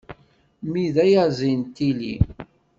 Mmi d ayazi n tili.